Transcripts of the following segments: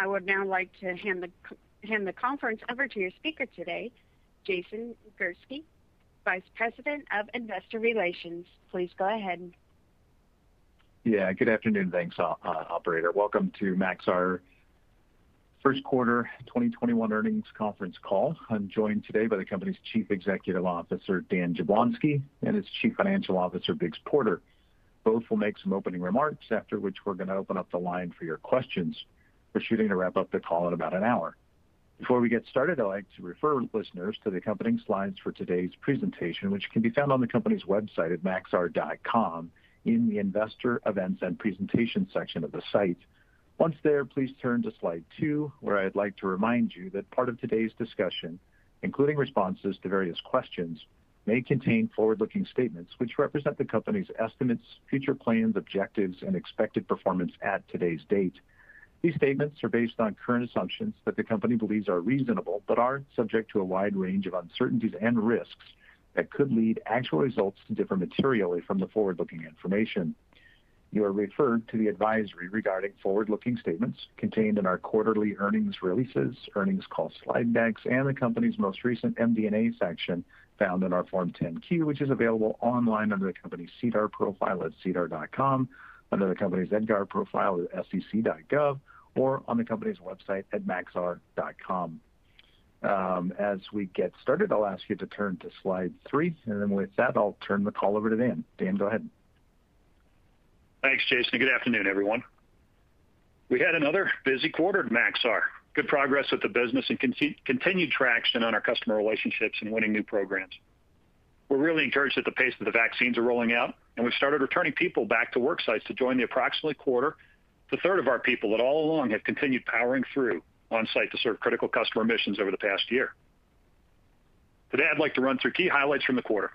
I would now like to hand the conference over to your speaker today, Jason Gursky, Vice President of Investor Relations. Please go ahead. Yeah, good afternoon. Thanks, operator. Welcome to Maxar first quarter 2021 earnings conference call. I'm joined today by the company's Chief Executive Officer, Dan Jablonsky, and its Chief Financial Officer, Biggs Porter. Both will make some opening remarks, after which we're going to open up the line for your questions. We're shooting to wrap up the call in about an hour. Before we get started, I'd like to refer listeners to the accompanying slides for today's presentation, which can be found on the company's website at maxar.com in the investor events and presentation section of the site. Once there, please turn to slide two, where I'd like to remind you that part of today's discussion, including responses to various questions, may contain forward-looking statements which represent the company's estimates, future plans, objectives, and expected performance at today's date. These statements are based on current assumptions that the company believes are reasonable but are subject to a wide range of uncertainties and risks that could lead actual results to differ materially from the forward-looking information. You are referred to the advisory regarding forward-looking statements contained in our quarterly earnings releases, earnings call slide decks, and the company's most recent MD&A section found in our Form 10-Q, which is available online under the company's SEDAR profile at sedar.com, under the company's EDGAR profile at sec.gov, or on the company's website at maxar.com. As we get started, I'll ask you to turn to slide three, and then with that, I'll turn the call over to Dan. Dan, go ahead. Thanks, Jason. Good afternoon, everyone. We had another busy quarter at Maxar. Good progress with the business and continued traction on our customer relationships and winning new programs. We're really encouraged that the pace of the vaccines are rolling out, and we've started returning people back to work sites to join the approximately quarter to a third of our people that all along have continued powering through on-site to serve critical customer missions over the past year. Today, I'd like to run through key highlights from the quarter,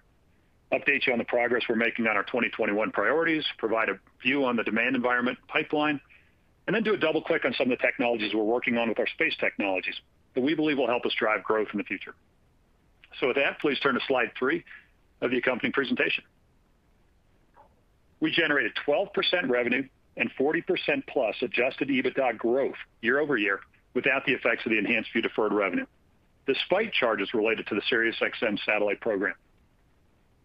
update you on the progress we're making on our 2021 priorities, provide a view on the demand environment pipeline, and then do a double-click on some of the technologies we're working on with our space technologies that we believe will help us drive growth in the future. With that, please turn to slide three of the accompanying presentation. We generated 12% revenue and 40%+ adjusted EBITDA growth year-over-year without the effects of the EnhancedView deferred revenue, despite charges related to the SiriusXM satellite program.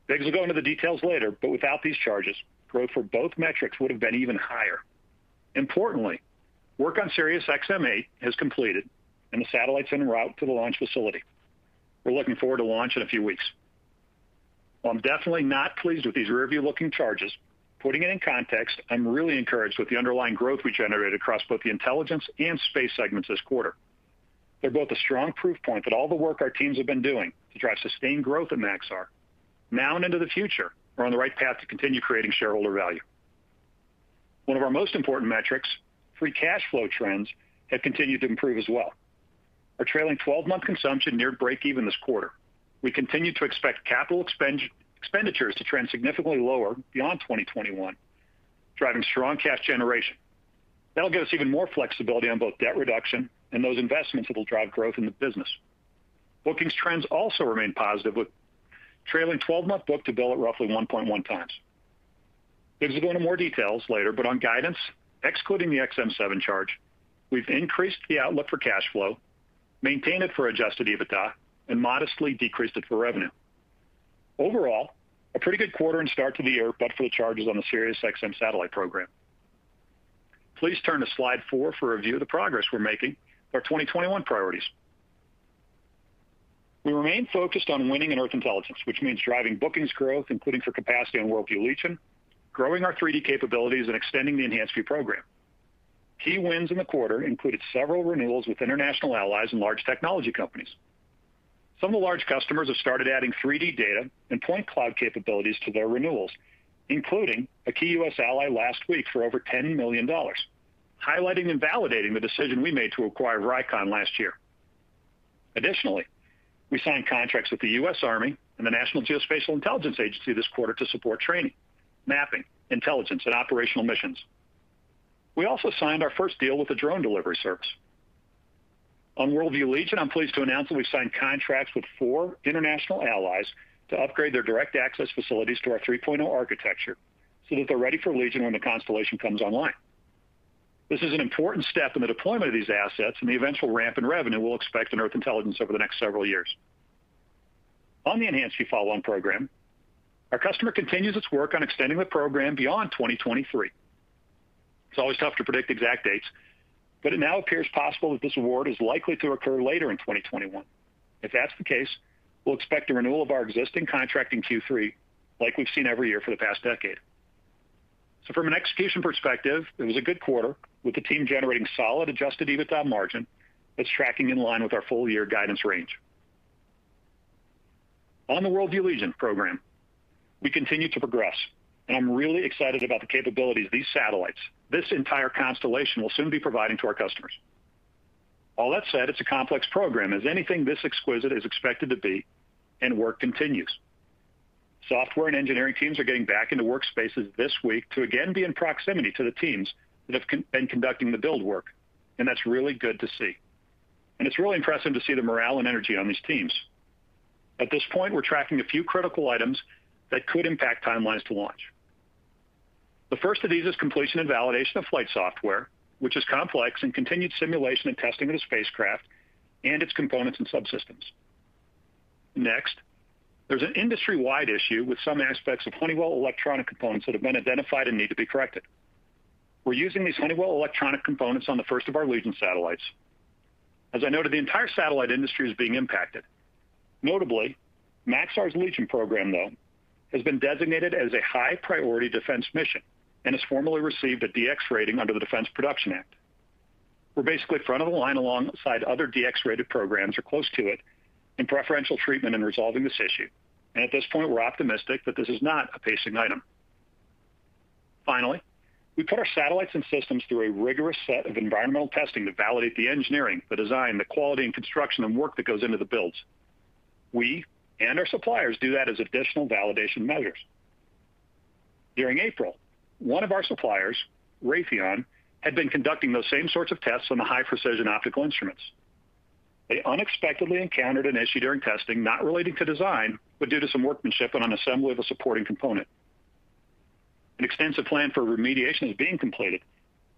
Biggs will go into the details later, but without these charges, growth for both metrics would have been even higher. Importantly, work on SXM-8 is completed, and the satellite's enroute to the launch facility. We're looking forward to launch in a few weeks. While I'm definitely not pleased with these rearview-looking charges, putting it in context, I'm really encouraged with the underlying growth we generated across both the intelligence and space segments this quarter. They're both a strong proof point that all the work our teams have been doing to drive sustained growth at Maxar now and into the future are on the right path to continue creating shareholder value. One of our most important metrics, free cash flow trends, have continued to improve as well. Our trailing 12-month consumption neared breakeven this quarter. We continue to expect capital expenditures to trend significantly lower beyond 2021, driving strong cash generation. That'll give us even more flexibility on both debt reduction and those investments that'll drive growth in the business. Bookings trends also remain positive with trailing 12-month book-to-bill at roughly 1.1x. Biggs will go into more details later, but on guidance, excluding the SXM-7 charge, we've increased the outlook for cash flow, maintained it for adjusted EBITDA, and modestly decreased it for revenue. Overall, a pretty good quarter and start to the year, but for the charges on the SiriusXM satellite program. Please turn to slide four for a view of the progress we're making with our 2021 priorities. We remain focused on winning in Earth Intelligence, which means driving bookings growth, including for capacity on WorldView Legion, growing our 3D capabilities, and extending the EnhancedView program. Key wins in the quarter included several renewals with international allies and large technology companies. Some of the large customers have started adding 3D data and point cloud capabilities to their renewals, including a key U.S. ally last week for over $10 million, highlighting and validating the decision we made to acquire Vricon last year. Additionally, we signed contracts with the U.S. Army and the National Geospatial-Intelligence Agency this quarter to support training, mapping, intelligence, and operational missions. We also signed our first deal with a drone delivery service. On WorldView Legion, I'm pleased to announce that we've signed contracts with four international allies to upgrade their direct access facilities to our 3.0 architecture so that they're ready for Legion when the constellation comes online. This is an important step in the deployment of these assets and the eventual ramp in revenue we'll expect in Earth Intelligence over the next several years. On the EnhancedView follow-on program, our customer continues its work on extending the program beyond 2023. It's always tough to predict exact dates, it now appears possible that this award is likely to occur later in 2021. If that's the case, we'll expect a renewal of our existing contract in Q3 like we've seen every year for the past decade. From an execution perspective, it was a good quarter with the team generating solid adjusted EBITDA margin that's tracking in line with our full-year guidance range. On the WorldView Legion program, we continue to progress, and I'm really excited about the capabilities these satellites, this entire constellation, will soon be providing to our customers. All that said, it's a complex program, as anything this exquisite is expected to be, and work continues. Software and engineering teams are getting back into workspaces this week to again be in proximity to the teams that have been conducting the build work, and that's really good to see. It's really impressive to see the morale and energy on these teams. At this point, we're tracking a few critical items that could impact timelines to launch. The first of these is completion and validation of flight software, which is complex, and continued simulation and testing of the spacecraft and its components and subsystems. Next, there's an industry-wide issue with some aspects of Honeywell electronic components that have been identified and need to be corrected. We're using these Honeywell electronic components on the first of our Legion satellites. As I noted, the entire satellite industry is being impacted. Notably, Maxar's Legion program, though, has been designated as a high-priority defense mission and has formally received a DX rating under the Defense Production Act. We're basically front of the line alongside other DX-rated programs, or close to it, in preferential treatment in resolving this issue. At this point, we're optimistic that this is not a pacing item. Finally, we put our satellites and systems through a rigorous set of environmental testing to validate the engineering, the design, the quality and construction, and work that goes into the builds. We and our suppliers do that as additional validation measures. During April, one of our suppliers, Raytheon, had been conducting those same sorts of tests on the high-precision optical instruments. They unexpectedly encountered an issue during testing, not related to design, but due to some workmanship on an assembly of a supporting component. An extensive plan for remediation is being completed,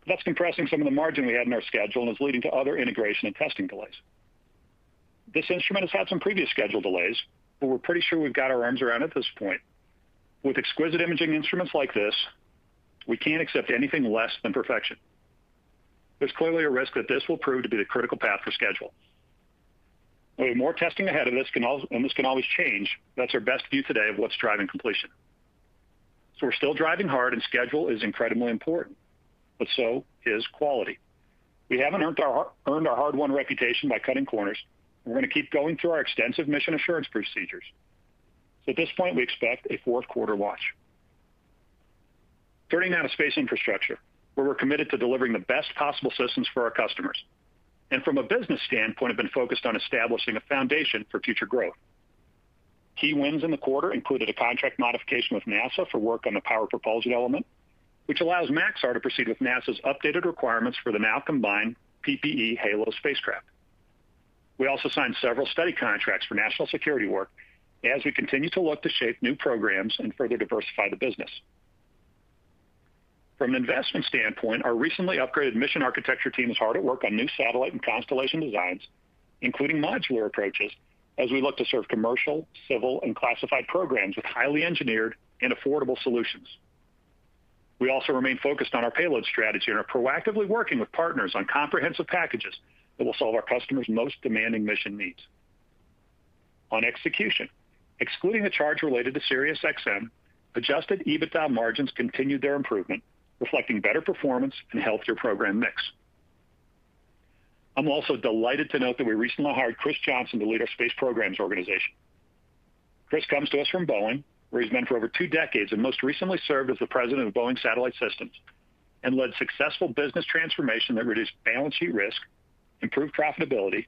but that's compressing some of the margin we had in our schedule and is leading to other integration and testing delays. This instrument has had some previous schedule delays, but we're pretty sure we've got our arms around it at this point. With exquisite imaging instruments like this, we can't accept anything less than perfection. There's clearly a risk that this will prove to be the critical path for schedule. We have more testing ahead of this and this can always change. That's our best view today of what's driving completion. We're still driving hard and schedule is incredibly important, but so is quality. We haven't earned our hard-won reputation by cutting corners, and we're going to keep going through our extensive mission assurance procedures. At this point, we expect a fourth-quarter launch. Turning now to space infrastructure, where we're committed to delivering the best possible systems for our customers. From a business standpoint, have been focused on establishing a foundation for future growth. Key wins in the quarter included a contract modification with NASA for work on the power propulsion element, which allows Maxar to proceed with NASA's updated requirements for the now combined PPE HALO spacecraft. We also signed several study contracts for national security work as we continue to look to shape new programs and further diversify the business. From an investment standpoint, our recently upgraded mission architecture team is hard at work on new satellite and constellation designs, including modular approaches as we look to serve commercial, civil, and classified programs with highly engineered and affordable solutions. We also remain focused on our payload strategy and are proactively working with partners on comprehensive packages that will solve our customers' most demanding mission needs. On execution, excluding the charge related to SiriusXM, adjusted EBITDA margins continued their improvement, reflecting better performance and healthier program mix. I'm also delighted to note that we recently hired Chris Johnson to lead our space programs organization. Chris comes to us from Boeing, where he's been for over two decades and most recently served as the President of Boeing Satellite Systems and led successful business transformation that reduced balance sheet risk, improved profitability,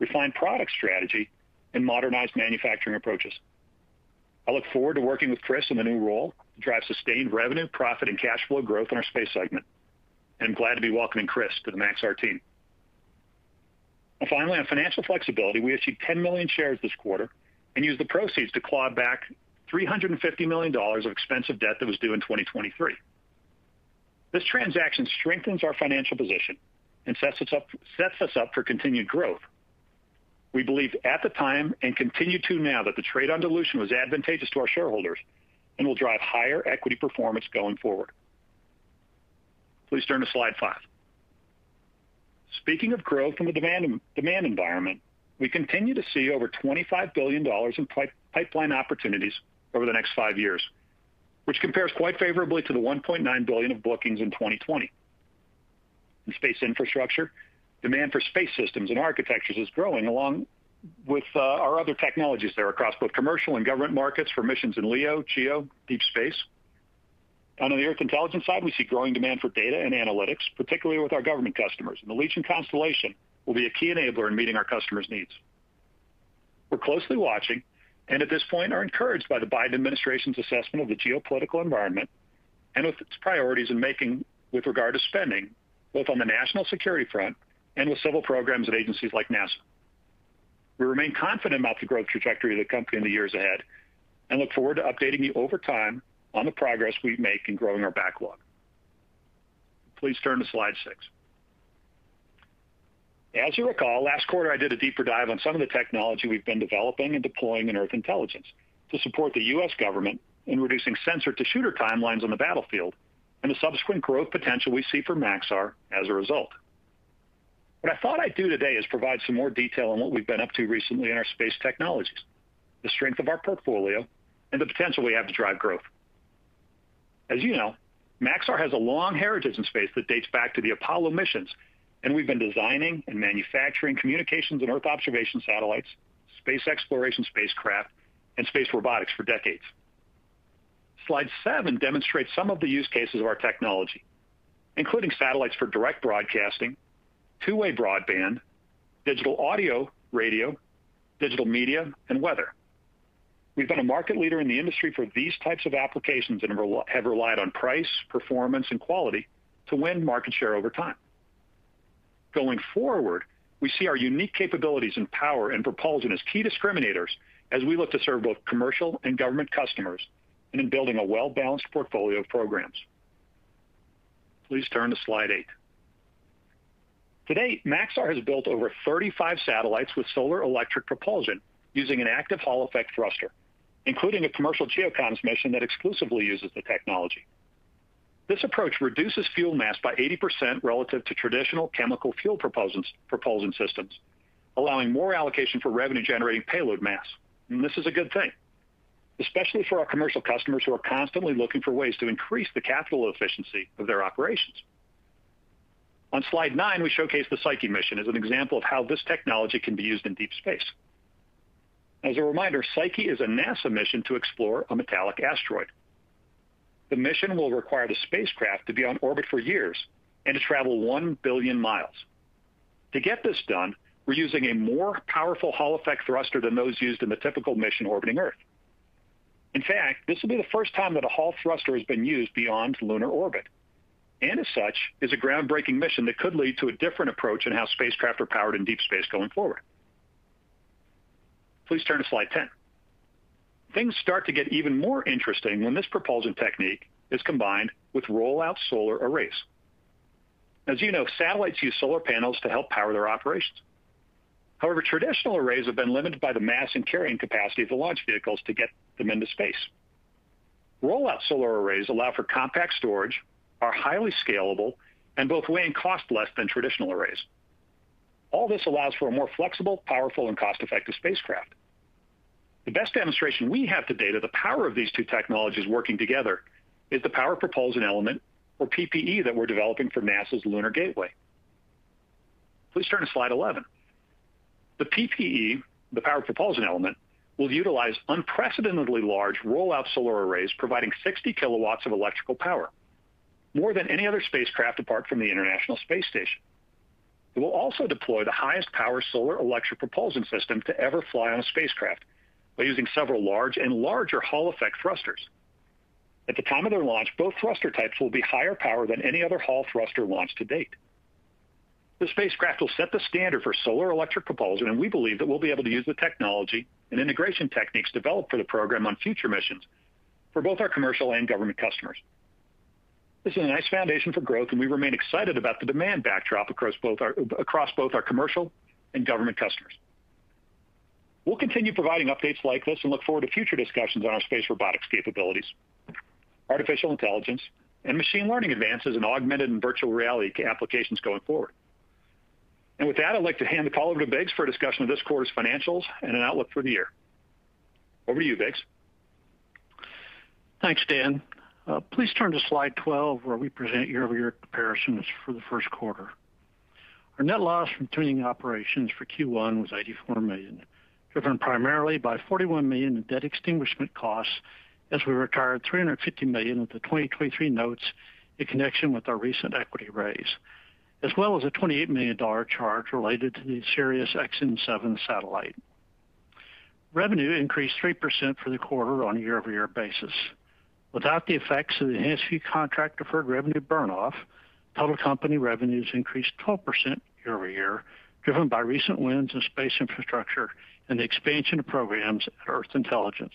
refined product strategy, and modernized manufacturing approaches. I look forward to working with Chris in the new role to drive sustained revenue, profit, and cash flow growth in our space segment, and I'm glad to be welcoming Chris to the Maxar team. Finally, on financial flexibility, we issued 10 million shares this quarter and used the proceeds to claw back $350 million of expensive debt that was due in 2023. This transaction strengthens our financial position and sets us up for continued growth. We believed at the time and continue to now that the trade-on dilution was advantageous to our shareholders and will drive higher equity performance going forward. Please turn to slide five. Speaking of growth and the demand environment, we continue to see over $25 billion in pipeline opportunities over the next five years, which compares quite favorably to the $1.9 billion of bookings in 2020. In space infrastructure, demand for space systems and architectures is growing along with our other technologies there across both commercial and government markets for missions in LEO, GEO, deep space. On the Earth Intelligence side, we see growing demand for data and analytics, particularly with our government customers, and the Legion constellation will be a key enabler in meeting our customers' needs. We're closely watching, and at this point are encouraged by the Biden administration's assessment of the geopolitical environment and with its priorities in making with regard to spending, both on the national security front and with civil programs at agencies like NASA. We remain confident about the growth trajectory of the company in the years ahead and look forward to updating you over time on the progress we make in growing our backlog. Please turn to slide six. As you recall, last quarter I did a deeper dive on some of the technology we've been developing and deploying in Earth Intelligence to support the U.S. government in reducing sensor-to-shooter timelines on the battlefield and the subsequent growth potential we see for Maxar as a result. What I thought I'd do today is provide some more detail on what we've been up to recently in our space technologies, the strength of our portfolio, and the potential we have to drive growth. As you know, Maxar has a long heritage in space that dates back to the Apollo missions. We've been designing and manufacturing communications and Earth observation satellites, space exploration spacecraft, and space robotics for decades. Slide seven demonstrates some of the use cases of our technology, including satellites for direct broadcasting, two-way broadband, digital audio radio, digital media, and weather. We've been a market leader in the industry for these types of applications and have relied on price, performance, and quality to win market share over time. Going forward, we see our unique capabilities in power and propulsion as key discriminators as we look to serve both commercial and government customers and in building a well-balanced portfolio of programs. Please turn to slide eight. To date, Maxar has built over 35 satellites with solar electric propulsion using an active Hall-effect thruster, including a commercial GEO comms mission that exclusively uses the technology. This approach reduces fuel mass by 80% relative to traditional chemical fuel propulsion systems, allowing more allocation for revenue-generating payload mass. This is a good thing, especially for our commercial customers who are constantly looking for ways to increase the capital efficiency of their operations. On slide nine, we showcase the Psyche mission as an example of how this technology can be used in deep space. As a reminder, Psyche is a NASA mission to explore a metallic asteroid. The mission will require the spacecraft to be on orbit for years and to travel 1 billion mi. To get this done, we're using a more powerful Hall-effect thruster than those used in the typical mission orbiting Earth. In fact, this will be the first time that a Hall thruster has been used beyond lunar orbit, and as such, is a groundbreaking mission that could lead to a different approach in how spacecraft are powered in deep space going forward. Please turn to slide 10. Things start to get even more interesting when this propulsion technique is combined with roll-out solar arrays. As you know, satellites use solar panels to help power their operations. However, traditional arrays have been limited by the mass and carrying capacity of the launch vehicles to get them into space. Roll-out solar arrays allow for compact storage, are highly scalable, and both weigh and cost less than traditional arrays. All this allows for a more flexible, powerful, and cost-effective spacecraft. The best demonstration we have to date of the power of these two technologies working together is the power propulsion element, or PPE, that we're developing for NASA's Lunar Gateway. Please turn to slide 11. The PPE, the power propulsion element, will utilize unprecedentedly large roll-out solar arrays providing 60 kW of electrical power, more than any other spacecraft apart from the International Space Station. It will also deploy the highest power solar electric propulsion system to ever fly on a spacecraft by using several large and larger Hall-effect thrusters. At the time of their launch, both thruster types will be higher power than any other Hall-effect thruster launched to date. The spacecraft will set the standard for solar electric propulsion, and we believe that we'll be able to use the technology and integration techniques developed for the program on future missions for both our commercial and government customers. This is a nice foundation for growth, and we remain excited about the demand backdrop across both our commercial and government customers. We'll continue providing updates like this and look forward to future discussions on our space robotics capabilities, artificial intelligence, and machine learning advances, and augmented and virtual reality applications going forward. With that, I'd like to hand the call over to Biggs for a discussion of this quarter's financials and an outlook for the year. Over to you, Biggs. Thanks, Dan. Please turn to slide 12 where we present year-over-year comparisons for the first quarter. Our net loss from continuing operations for Q1 was $84 million, driven primarily by $41 million in debt extinguishment costs as we retired $350 million of the 2023 notes in connection with our recent equity raise, as well as a $28 million charge related to the SiriusXM-7 satellite. Revenue increased 3% for the quarter on a year-over-year basis. Without the effects of the EnhancedView deferred revenue burn-off, total company revenues increased 12% year-over-year, driven by recent wins in space infrastructure and the expansion of programs at Earth Intelligence.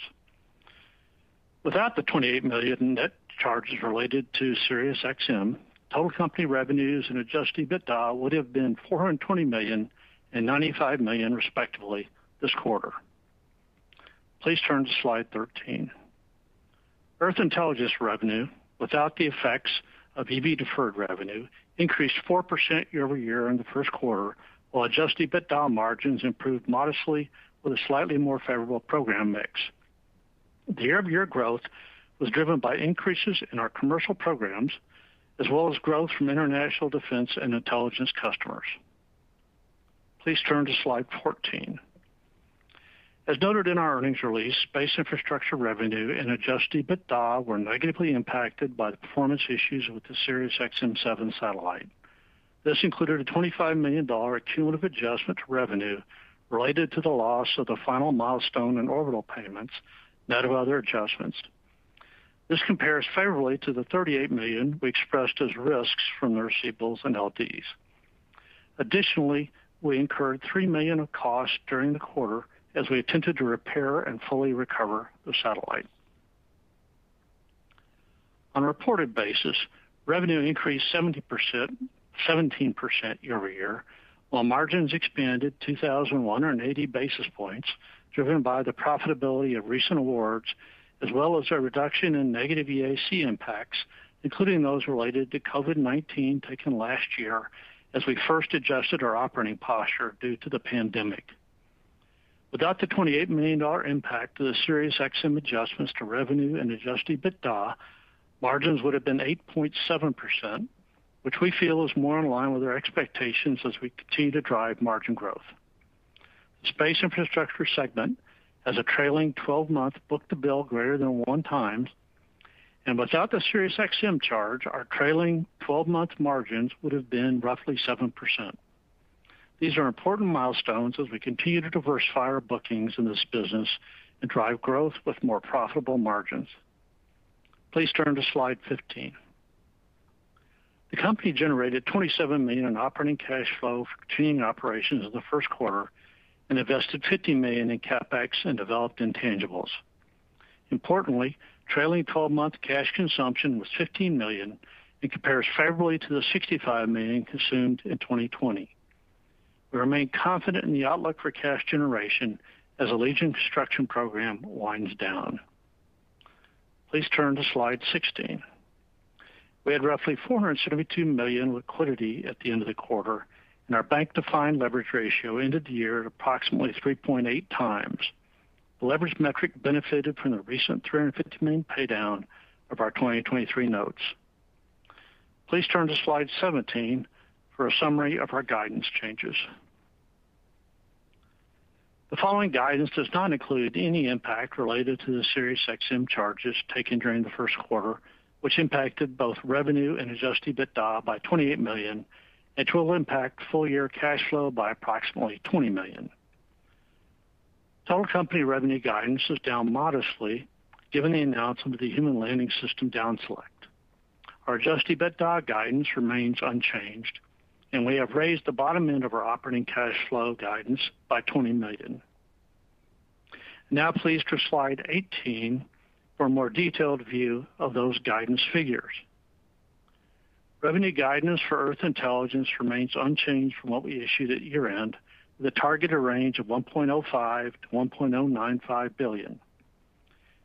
Without the $28 million net charges related to SiriusXM, total company revenues and adjusted EBITDA would have been $420 million and $95 million respectively this quarter. Please turn to slide 13. Earth Intelligence revenue, without the effects of EV deferred revenue, increased 4% year over year in the first quarter, while adjusted EBITDA margins improved modestly with a slightly more favorable program mix. The year-over-year growth was driven by increases in our commercial programs, as well as growth from international defense and intelligence customers. Please turn to slide 14. As noted in our earnings release, space infrastructure revenue and adjusted EBITDA were negatively impacted by the performance issues with the SiriusXM-7 satellite. This included a $25 million cumulative adjustment to revenue related to the loss of the final milestone in orbital payments, net of other adjustments. This compares favorably to the $38 million we expressed as risks from the receivables and LDs. Additionally, we incurred $3 million of costs during the quarter as we attempted to repair and fully recover the satellite. On a reported basis, revenue increased 17% year-over-year, while margins expanded 2080 basis points, driven by the profitability of recent awards, as well as our reduction in negative EAC impacts, including those related to COVID-19 taken last year as we first adjusted our operating posture due to the pandemic. Without the $28 million impact of the SiriusXM adjustments to revenue and adjusted EBITDA, margins would have been 8.7%, which we feel is more in line with our expectations as we continue to drive margin growth. The space infrastructure segment has a trailing 12-month book-to-bill greater than 1x, and without the SiriusXM charge, our trailing 12-month margins would have been roughly 7%. These are important milestones as we continue to diversify our bookings in this business and drive growth with more profitable margins. Please turn to slide 15. The company generated $27 million in operating cash flow from continuing operations in the first quarter and invested $15 million in CapEx and developed intangibles. Importantly, trailing 12-month cash consumption was $15 million and compares favorably to the $65 million consumed in 2020. We remain confident in the outlook for cash generation as the Legion construction program winds down. Please turn to slide 16. We had roughly $472 million liquidity at the end of the quarter, and our bank-defined leverage ratio ended the year at approximately 3.8x. The leverage metric benefited from the recent $350 million paydown of our 2023 notes. Please turn to slide 17 for a summary of our guidance changes. The following guidance does not include any impact related to the SiriusXM charges taken during the first quarter, which impacted both revenue and adjusted EBITDA by $28 million and will impact full-year cash flow by approximately $20 million. Total company revenue guidance is down modestly given the announcement of the Human Landing System down select. Our adjusted EBITDA guidance remains unchanged, and we have raised the bottom end of our operating cash flow guidance by $20 million. Now please to slide 18 for a more detailed view of those guidance figures. Revenue guidance for Earth Intelligence remains unchanged from what we issued at year-end, with a targeted range of $1.05 billion-$1.095 billion.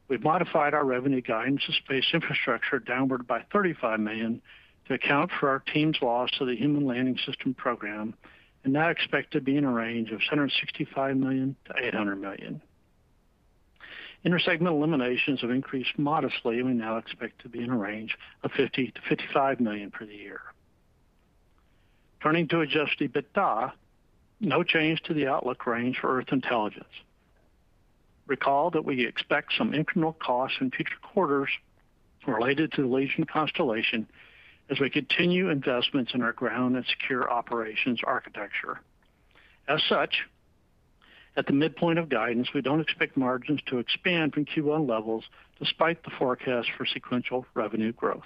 We have modified our revenue guidance to space infrastructure downward by $35 million to account for our team's loss to the Human Landing System program and now expect to be in a range of $765 million-$800 million. Intersegment eliminations have increased modestly, and we now expect to be in a range of $50 million-$55 million for the year. Turning to adjusted EBITDA, no change to the outlook range for Earth Intelligence. Recall that we expect some incremental costs in future quarters related to the Legion constellation as we continue investments in our ground and secure operations architecture. As such, at the midpoint of guidance, we don't expect margins to expand from Q1 levels despite the forecast for sequential revenue growth.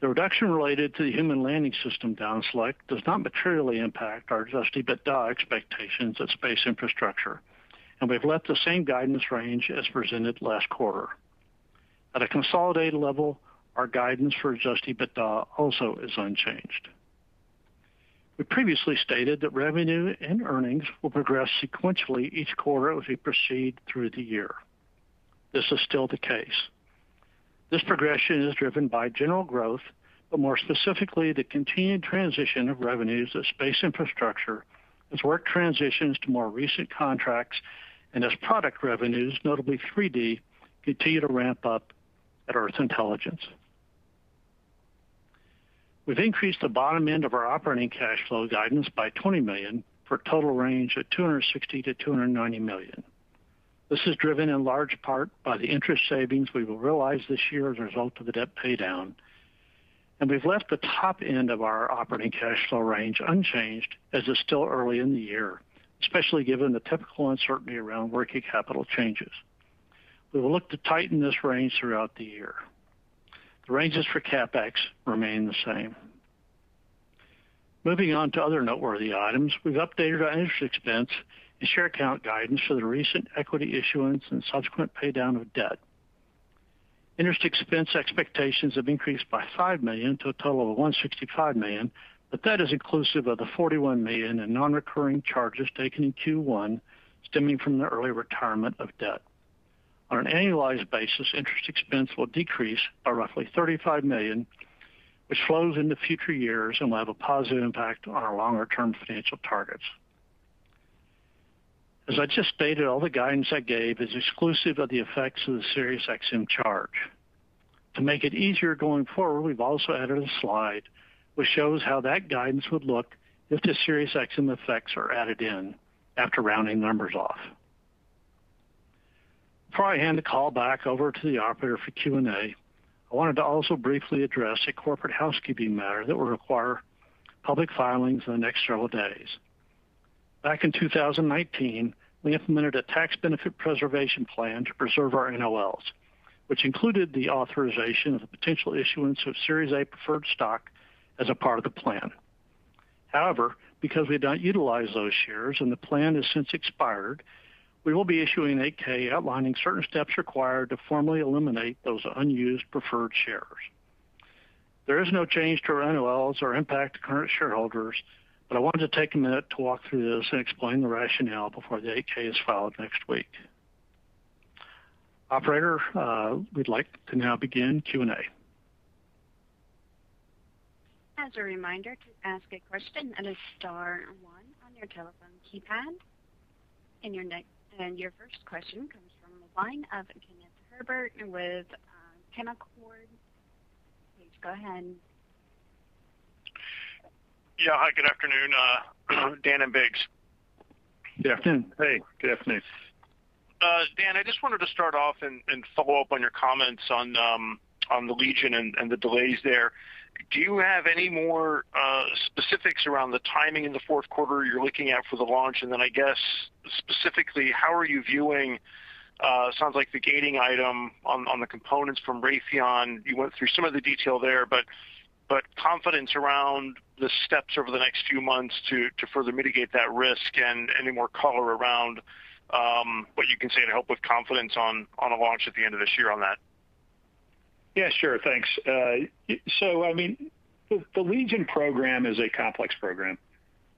The reduction related to the Human Landing System down select does not materially impact our adjusted EBITDA expectations at space infrastructure, and we've left the same guidance range as presented last quarter. At a consolidated level, our guidance for adjusted EBITDA also is unchanged. We previously stated that revenue and earnings will progress sequentially each quarter as we proceed through the year. This is still the case. This progression is driven by general growth, but more specifically, the continued transition of revenues as space infrastructure, as work transitions to more recent contracts, and as product revenues, notably 3D, continue to ramp up at Earth Intelligence. We've increased the bottom end of our operating cash flow guidance by $20 million for a total range of $260 million-$290 million. This is driven in large part by the interest savings we will realize this year as a result of the debt paydown. We've left the top end of our operating cash flow range unchanged, as it's still early in the year, especially given the typical uncertainty around working capital changes. We will look to tighten this range throughout the year. The ranges for CapEx remain the same. Moving on to other noteworthy items, we've updated our interest expense and share account guidance for the recent equity issuance and subsequent paydown of debt. Interest expense expectations have increased by $5 million to a total of $165 million, but that is inclusive of the $41 million in non-recurring charges taken in Q1 stemming from the early retirement of debt. On an annualized basis, interest expense will decrease by roughly $35 million, which flows into future years and will have a positive impact on our longer-term financial targets. As I just stated, all the guidance I gave is exclusive of the effects of the SiriusXM charge. To make it easier going forward, we've also added a slide which shows how that guidance would look if the SiriusXM effects are added in after rounding numbers off. Before I hand the call back over to the operator for Q&A, I wanted to also briefly address a corporate housekeeping matter that will require public filings in the next several days. Back in 2019, we implemented a tax benefit preservation plan to preserve our NOLs, which included the authorization of the potential issuance of Series A preferred stock as a part of the plan. Because we've not utilized those shares and the plan has since expired, we will be issuing an 8-K outlining certain steps required to formally eliminate those unused preferred shares. There is no change to our NOLs or impact to current shareholders, but I wanted to take a minute to walk through this and explain the rationale before the 8-K is filed next week. Operator, we'd like to now begin Q&A. As a reminder, to ask a question, it is star one on your telephone keypad. Your first question comes from the line of Kenneth Herbert with Canaccord. Please go ahead. Yeah. Hi, good afternoon. Dan and Biggs. Good afternoon. Hey, good afternoon. Dan, I just wanted to start off and follow up on your comments on the Legion and the delays there. Do you have any more specifics around the timing in the fourth quarter you're looking at for the launch? I guess specifically, how are you viewing, sounds like the gating item on the components from Raytheon, you went through some of the detail there, but confidence around the steps over the next few months to further mitigate that risk and any more color around what you can say to help with confidence on a launch at the end of this year on that. Yeah, sure. Thanks. I mean, the Legion program is a complex program.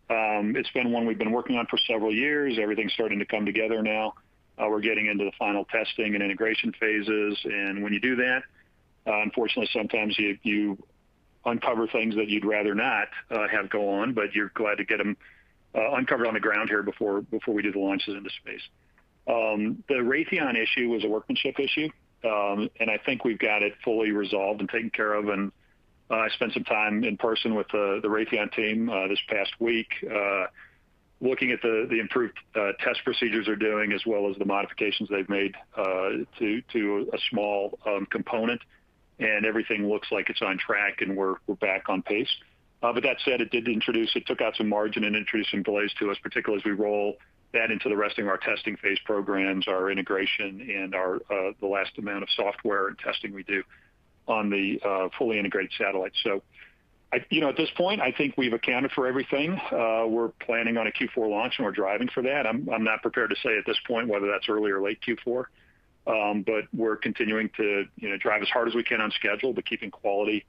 It's been one we've been working on for several years. Everything's starting to come together now. We're getting into the final testing and integration phases, and when you do that, unfortunately, sometimes you uncover things that you'd rather not have go on, but you're glad to get them uncovered on the ground here before we do the launches into space. The Raytheon issue was a workmanship issue. I think we've got it fully resolved and taken care of. I spent some time in person with the Raytheon team this past week looking at the improved test procedures they're doing as well as the modifications they've made to a small component. Everything looks like it's on track, and we're back on pace. That said, it took out some margin and introduced some delays to us, particularly as we roll that into the rest of our testing phase programs, our integration, and the last amount of software and testing we do on the fully integrated satellite. At this point, I think we've accounted for everything. We're planning on a Q4 launch, and we're driving for that. I'm not prepared to say at this point whether that's early or late Q4. We're continuing to drive as hard as we can on schedule, but keeping quality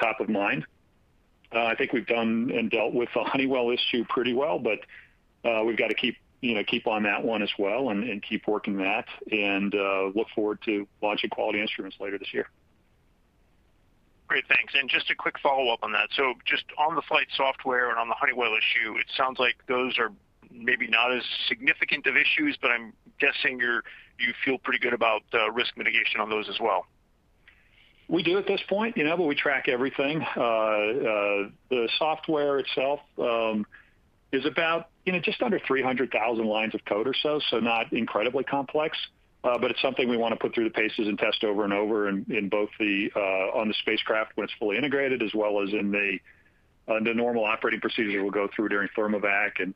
top of mind. I think we've done and dealt with the Honeywell issue pretty well, but we've got to keep on that one as well and keep working that and look forward to launching quality instruments later this year. Great. Thanks. Just a quick follow-up on that. Just on the flight software and on the Honeywell issue, it sounds like those are maybe not as significant of issues, but I'm guessing you feel pretty good about risk mitigation on those as well. We do at this point. We track everything. The software itself is about just under 300,000 lines of code or so not incredibly complex. It's something we want to put through the paces and test over and over on the spacecraft when it's fully integrated, as well as in the normal operating procedure that we'll go through during thermovac and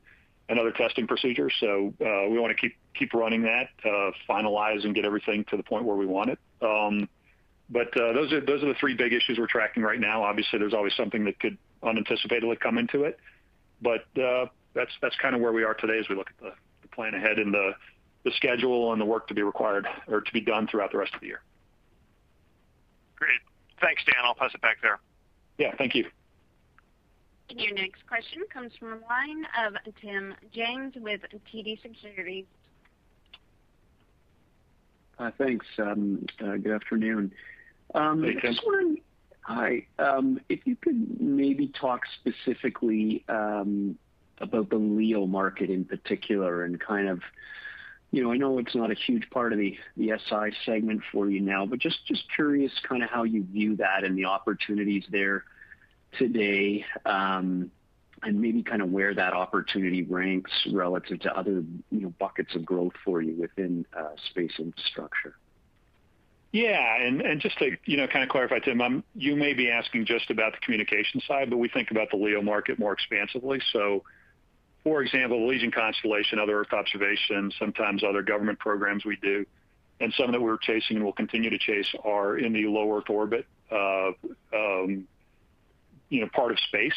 other testing procedures. We want to keep running that, finalize and get everything to the point where we want it. Those are the three big issues we're tracking right now. Obviously, there's always something that could unanticipatedly come into it. That's kind of where we are today as we look at the plan ahead and the schedule and the work to be required or to be done throughout the rest of the year. Great. Thanks, Dan. I'll pass it back there. Yeah. Thank you. Your next question comes from the line of Tim James with TD Securities. Thanks. Good afternoon. Hey, Tim. Hi. If you could maybe talk specifically about the LEO market in particular and kind of, I know it's not a huge part of the SI segment for you now, but just curious kind of how you view that and the opportunities there today. Maybe kind of where that opportunity ranks relative to other buckets of growth for you within space infrastructure. Yeah. Just to kind of clarify, Tim, you may be asking just about the communication side, but we think about the LEO market more expansively. For example, Legion Constellation, other Earth observations, sometimes other government programs we do, and some that we're chasing and will continue to chase are in the lower orbit part of space.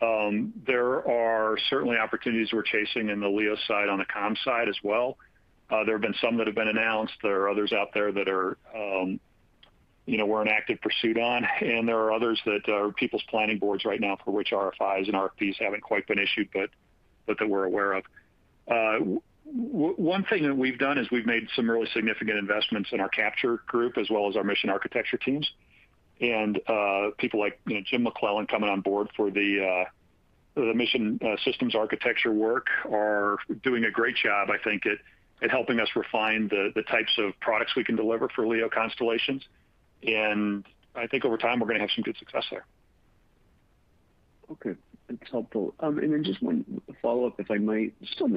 There are certainly opportunities we're chasing in the LEO side on the comms side as well. There have been some that have been announced. There are others out there that we're in active pursuit on, and there are others that are people's planning boards right now for which RFIs and RFPs haven't quite been issued, but that we're aware of. One thing that we've done is we've made some really significant investments in our capture group as well as our mission architecture teams. People like Jim McClelland coming on board for the mission systems architecture work are doing a great job, I think, at helping us refine the types of products we can deliver for LEO constellations. I think over time, we're going to have some good success there. Okay. That's helpful. Just one follow-up, if I might. Just on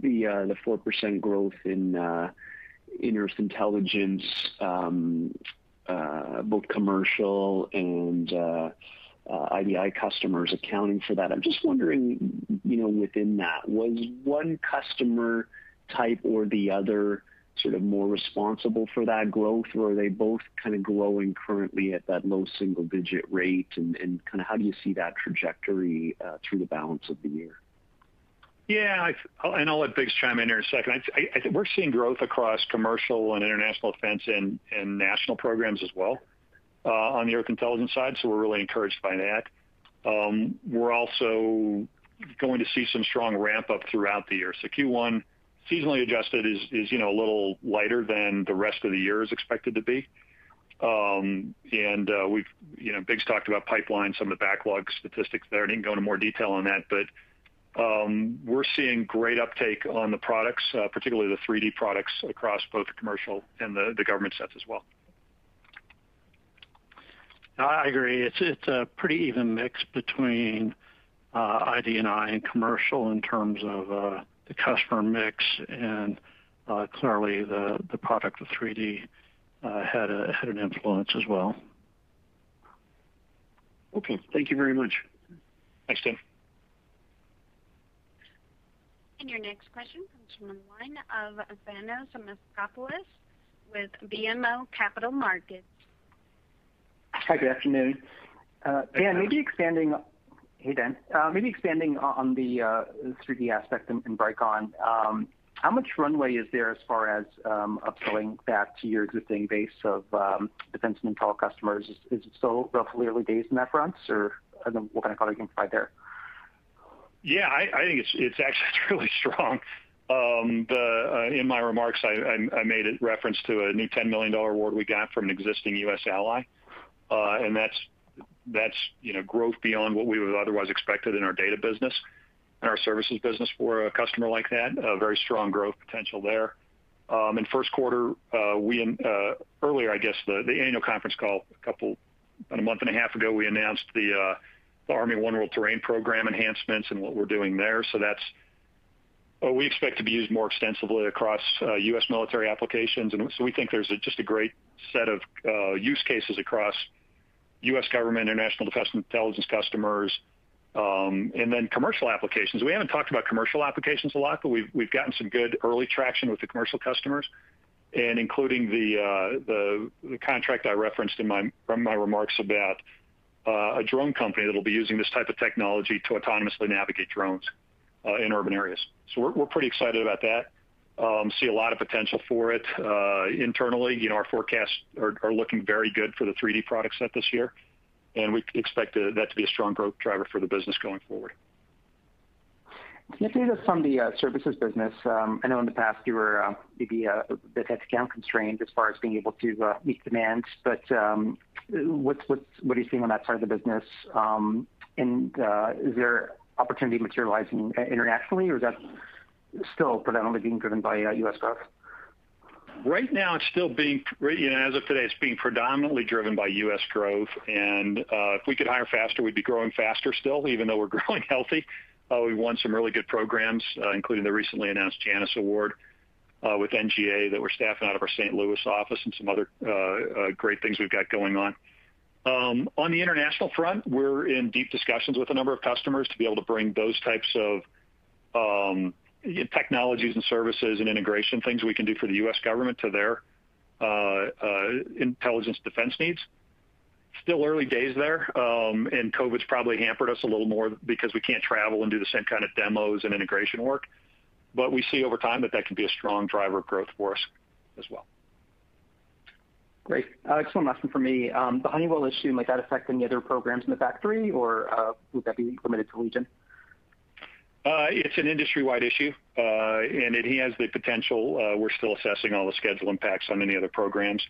the 4% growth in Earth Intelligence, both commercial and IDI customers accounting for that. I'm just wondering within that, was one customer type or the other sort of more responsible for that growth, or are they both kind of growing currently at that low single-digit rate? How do you see that trajectory through the balance of the year? Yeah. I'll let Biggs chime in here in a second. I think we're seeing growth across commercial and international defense and national programs as well on the Earth Intelligence side. We're really encouraged by that. We're also going to see some strong ramp-up throughout the year. Q1, seasonally adjusted, is a little lighter than the rest of the year is expected to be. Biggs talked about pipeline, some of the backlog statistics there. I didn't go into more detail on that, but we're seeing great uptake on the products, particularly the 3D products, across both the commercial and the government sets as well. I agree. It's a pretty even mix between IDI and commercial in terms of the customer mix, and clearly the product of 3D had an influence as well. Okay. Thank you very much. Thanks, Tim. Your next question comes from the line of Thanos Moschopoulos with BMO Capital Markets. Hi, good afternoon. Hi, Thanos. Hi, Dan, maybe expanding on the 3D aspect in Vricon. How much runway is there as far as upselling that to your existing base of defense and intel customers? Is it still roughly early days in that front, or what kind of color can you provide there? Yeah, I think it's actually really strong. In my remarks, I made a reference to a new $10 million award we got from an existing U.S. ally. That's growth beyond what we would've otherwise expected in our data business and our services business for a customer like that. A very strong growth potential there. In the first quarter, earlier, I guess, the annual conference call about a month and a half ago, we announced the Army One World Terrain program enhancements and what we're doing there. That's what we expect to be used more extensively across U.S. military applications. We think there's just a great set of use cases across U.S. government, international defense intelligence customers, and then commercial applications. We haven't talked about commercial applications a lot, but we've gotten some good early traction with the commercial customers, and including the contract I referenced from my remarks about a drone company that'll be using this type of technology to autonomously navigate drones in urban areas. We're pretty excited about that. See a lot of potential for it. Internally, our forecasts are looking very good for the 3D product set this year, and we expect that to be a strong growth driver for the business going forward. Can you update us on the services business? I know in the past you were maybe a bit head count constrained as far as being able to meet demands. What are you seeing on that side of the business? Is there opportunity materializing internationally, or is that still predominantly being driven by U.S. growth? Right now, as of today, it's being predominantly driven by U.S. growth. If we could hire faster, we'd be growing faster still, even though we're growing healthy. We won some really good programs, including the recently announced Janus Award with NGA that we're staffing out of our St. Louis office, and some other great things we've got going on. On the international front, we're in deep discussions with a number of customers to be able to bring those types of technologies and services and integration things we can do for the U.S. government to their intelligence defense needs. Still early days there. COVID's probably hampered us a little more because we can't travel and do the same kind of demos and integration work. We see over time that can be a strong driver of growth for us as well. Great. Excellent. Last one from me. The Honeywell issue, might that affect any other programs in the factory, or would that be limited to Legion? It's an industry-wide issue, and it has the potential. We're still assessing all the schedule impacts on any other programs.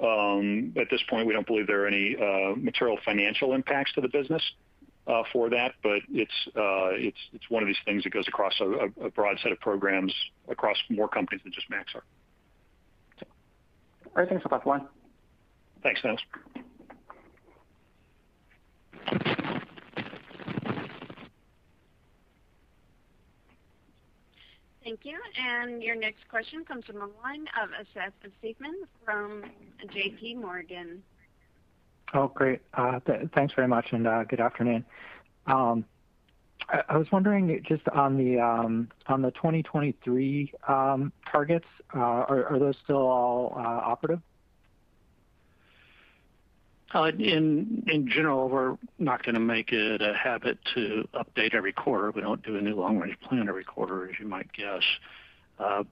At this point, we don't believe there are any material financial impacts to the business for that. It's one of these things that goes across a broad set of programs across more companies than just Maxar. Okay. All right, thanks a lot for that one. Thanks, Thanos. Thank you. Your next question comes from the line of Seth Seifman from JPMorgan. Oh, great. Thanks very much, and good afternoon. I was wondering just on the 2023 targets, are those still all operative? In general, we're not going to make it a habit to update every quarter. We don't do a new long-range plan every quarter, as you might guess. At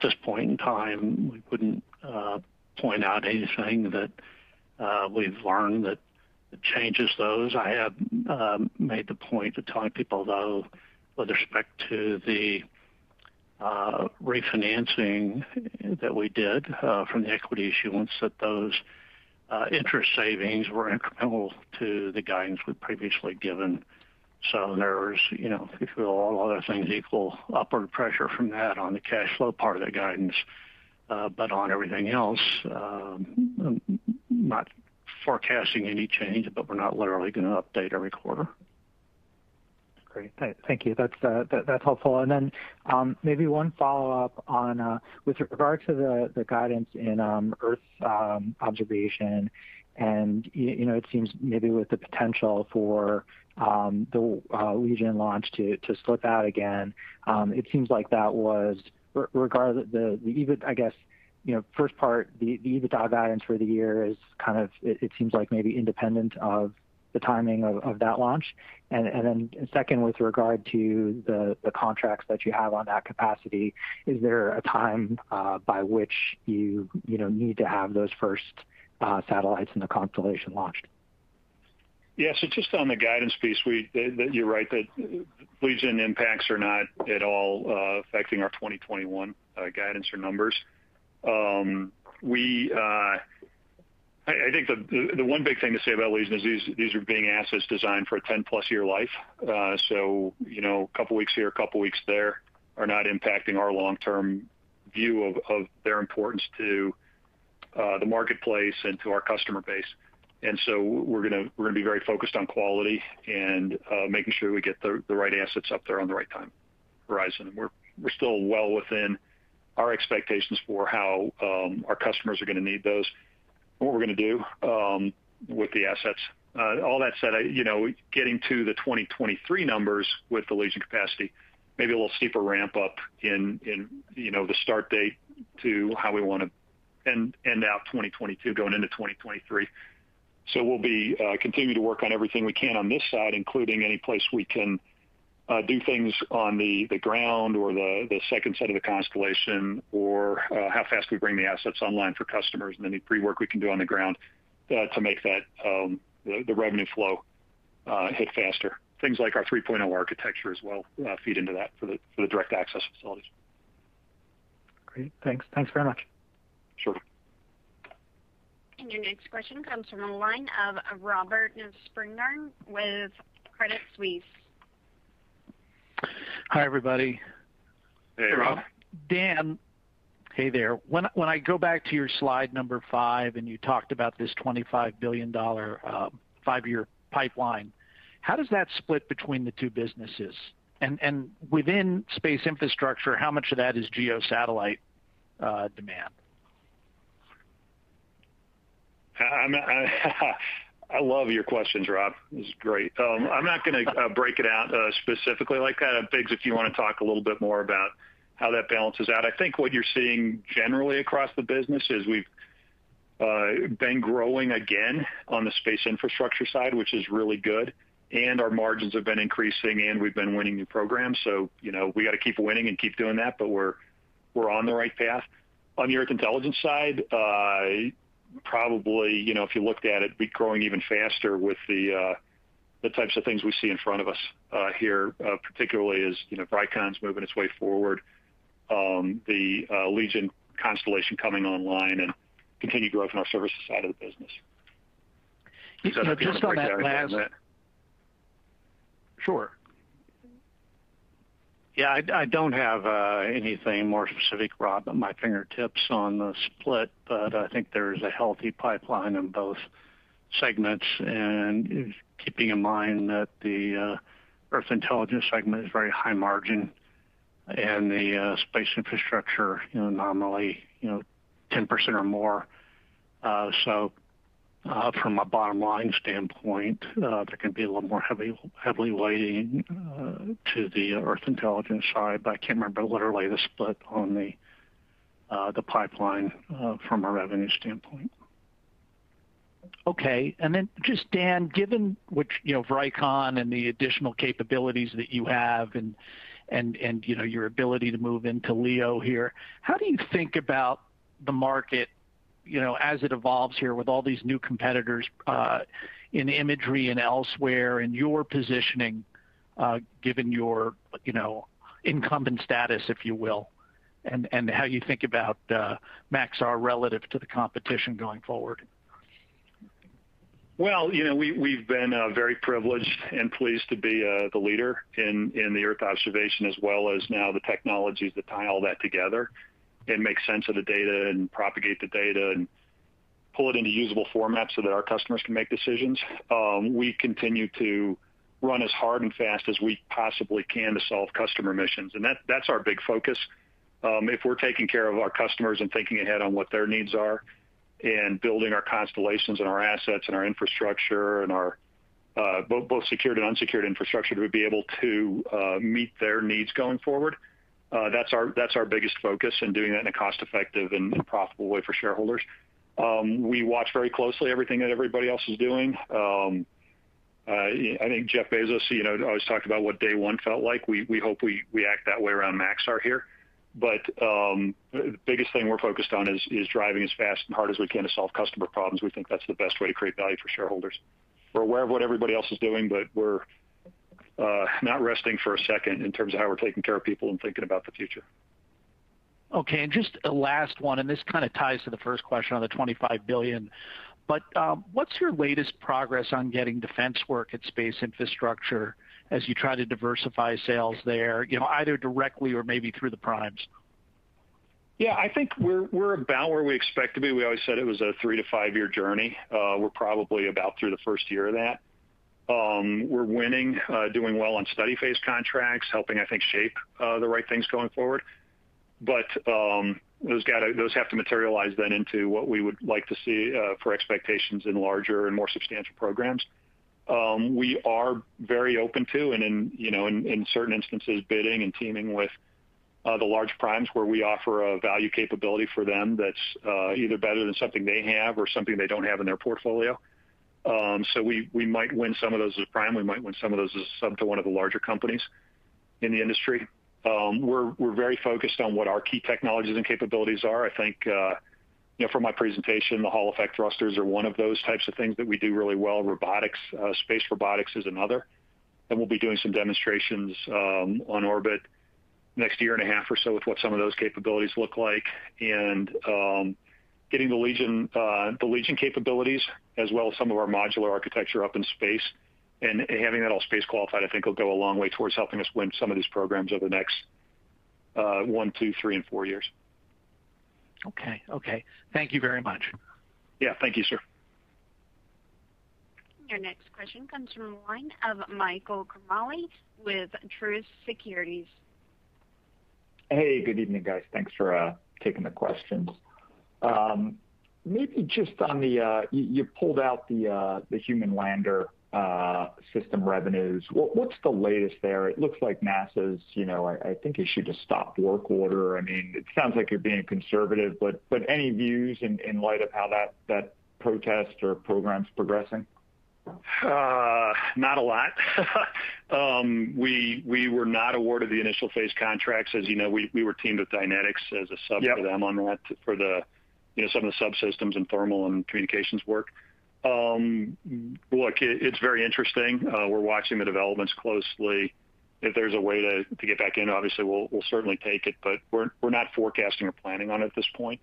this point in time, we wouldn't point out anything that we've learned that changes those. I have made the point of telling people, though, with respect to the refinancing that we did from the equity issuance, that those interest savings were incremental to the guidance we'd previously given. There's, if you will, all other things equal, upward pressure from that on the cash flow part of the guidance. On everything else, I'm not forecasting any change, but we're not literally going to update every quarter. Great. Thank you. That's helpful. Maybe one follow-up on with regard to the guidance in Earth observation, and it seems maybe with the potential for the Legion launch to slip out again. It seems like that was, I guess, first part, the EBITDA guidance for the year is kind of it seems like maybe independent of the timing of that launch. Then second, with regard to the contracts that you have on that capacity, is there a time by which you need to have those first satellites in the constellation launched? Yes. Just on the guidance piece, you're right that Legion impacts are not at all affecting our 2021 guidance or numbers. I think the one big thing to say about Legion is these are being assets designed for a 10+ year life. A couple of weeks here, a couple of weeks there are not impacting our long-term view of their importance to the marketplace and to our customer base. We're going to be very focused on quality and making sure we get the right assets up there on the right time horizon. We're still well within our expectations for how our customers are going to need those and what we're going to do with the assets. All that said, getting to the 2023 numbers with the Legion capacity, maybe a little steeper ramp up in the start date to how we want to end out 2022 going into 2023. We'll continue to work on everything we can on this side, including any place we can do things on the ground or the second set of the constellation or how fast we bring the assets online for customers and any pre-work we can do on the ground to make the revenue flow hit faster. Things like our 3.0 architecture as well feed into that for the direct access facilities. Great. Thanks. Thanks very much. Sure. Your next question comes from the line of Robert Spingarn with Credit Suisse. Hi, everybody. Hey, Rob. Dan, hey there. When I go back to your slide number five, and you talked about this $25 billion five-year pipeline, how does that split between the two businesses? Within space infrastructure, how much of that is GEO satellite demand? I love your questions, Rob. This is great. I'm not going to break it out specifically like that. Biggs, if you want to talk a little bit more about how that balances out. I think what you're seeing generally across the business is we've been growing again on the space infrastructure side, which is really good, and our margins have been increasing, and we've been winning new programs. we got to keep winning and keep doing that, but we're on the right path. On the Earth Intelligence side, probably, if you looked at it, be growing even faster with the types of things we see in front of us here, particularly as Vricon's moving its way forward, the Legion constellation coming online and continued growth in our services side of the business. Does that address that a bit? Just on that last. Sure. Yeah, I don't have anything more specific, Rob, at my fingertips on the split, but I think there's a healthy pipeline in both segments. Keeping in mind that the Earth Intelligence segment is very high margin and the space infrastructure normally 10% or more. From a bottom-line standpoint, that can be a little more heavily weighting to the Earth Intelligence side. I can't remember what are the split on the pipeline from a revenue standpoint. Okay. Just, Dan, given Vricon and the additional capabilities that you have and your ability to move into LEO here, how do you think about the market as it evolves here with all these new competitors in imagery and elsewhere, and your positioning, given your incumbent status, if you will, and how you think about Maxar relative to the competition going forward? Well, we've been very privileged and pleased to be the leader in the Earth observation as well as now the technologies that tie all that together and make sense of the data and propagate the data and pull it into usable formats so that our customers can make decisions. We continue to run as hard and fast as we possibly can to solve customer missions. That's our big focus. If we're taking care of our customers and thinking ahead on what their needs are and building our constellations and our assets and our infrastructure and both secured and unsecured infrastructure to be able to meet their needs going forward, that's our biggest focus and doing that in a cost-effective and profitable way for shareholders. We watch very closely everything that everybody else is doing. I think Jeff Bezos always talked about what day one felt like. We hope we act that way around Maxar here. The biggest thing we're focused on is driving as fast and hard as we can to solve customer problems. We think that's the best way to create value for shareholders. We're aware of what everybody else is doing, but we're not resting for a second in terms of how we're taking care of people and thinking about the future. Okay, just a last one, and this kind of ties to the first question on the $25 billion, but what's your latest progress on getting defense work at space infrastructure as you try to diversify sales there, either directly or maybe through the primes? Yeah, I think we're about where we expect to be. We always said it was a three to five-year journey. We're probably about through the first year of that. We're winning, doing well on study phase contracts, helping, I think, shape the right things going forward. Those have to materialize then into what we would like to see for expectations in larger and more substantial programs. We are very open to, and in certain instances, bidding and teaming with the large primes where we offer a value capability for them that's either better than something they have or something they don't have in their portfolio. We might win some of those as prime. We might win some of those as sub to one of the larger companies in the industry. We're very focused on what our key technologies and capabilities are. I think, from my presentation, the Hall-effect thrusters are one of those types of things that we do really well. Robotics, space robotics is another. We'll be doing some demonstrations on orbit next year and a half or so with what some of those capabilities look like. Getting the Legion capabilities, as well as some of our modular architecture up in space, and having that all space-qualified, I think, will go a long way towards helping us win some of these programs over the next one, two, three, and four years. Okay. Thank you very much. Yeah. Thank you, sir. Your next question comes from the line of Michael Ciarmoli with Truist Securities. Hey, good evening, guys. Thanks for taking the questions. You pulled out the Human Landing System revenues. What's the latest there? It looks like NASA's, I think, issued a stop work order. It sounds like you're being conservative, but any views in light of how that protest or program's progressing? Not a lot. We were not awarded the initial phase contracts. As you know, we were teamed with Dynetics as a sub for them on that for some of the subsystems and thermal and communications work. Look, it's very interesting. We're watching the developments closely. If there's a way to get back in, obviously, we'll certainly take it, but we're not forecasting or planning on it at this point.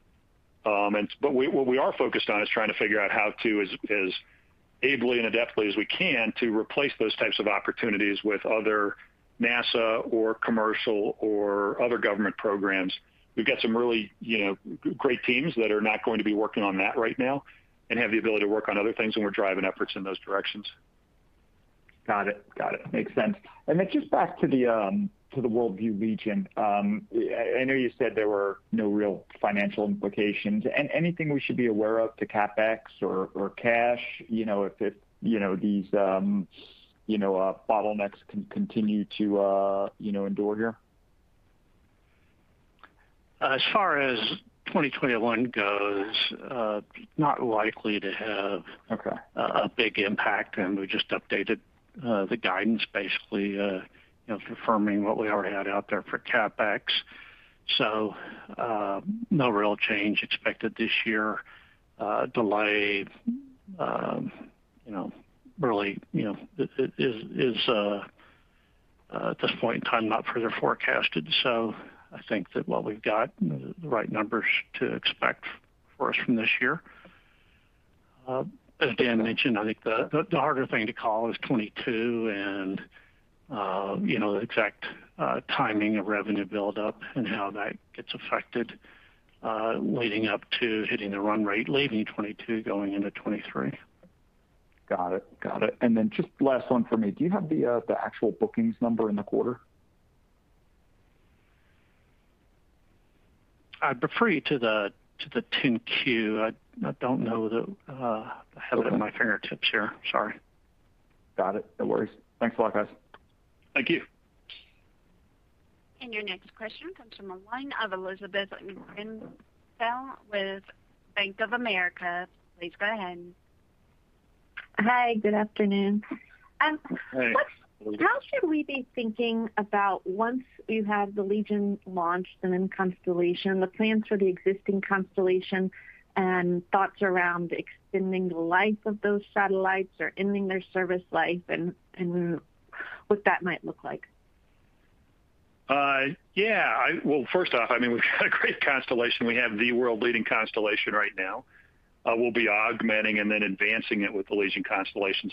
What we are focused on is trying to figure out how to, as ably and adeptly as we can, to replace those types of opportunities with other NASA or commercial or other government programs. We've got some really great teams that are not going to be working on that right now and have the ability to work on other things, and we're driving efforts in those directions. Got it. Makes sense. Then just back to the WorldView Legion. I know you said there were no real financial implications. Anything we should be aware of to CapEx or cash, if these bottlenecks can continue to endure here? As far as 2021 goes, not likely to have a big impact. we just updated the guidance, basically confirming what we already had out there for CapEx. no real change expected this year. Delay, really, is at this point in time, not further forecasted. I think that what we've got, the right numbers to expect for us from this year. As Dan mentioned, I think the harder thing to call is 2022, and the exact timing of revenue buildup and how that gets affected leading up to hitting the run rate, leaving 2022 going into 2023. Got it. Just last one for me. Do you have the actual bookings number in the quarter? I'd refer you to the 10-Q. I don't know the, have it at my fingertips here. Sorry. Got it. No worries. Thanks a lot, guys. Thank you. Your next question comes from the line of Elizabeth Grenfell with Bank of America. Please go ahead. Hi, good afternoon. Hey, Elizabeth. How should we be thinking about once you have the Legion launched and in constellation, the plans for the existing constellation, and thoughts around extending the life of those satellites or ending their service life and what that might look like? Yeah. Well, first off, we've got a great constellation. We have the world-leading constellation right now. We'll be augmenting and then advancing it with the Legion constellation.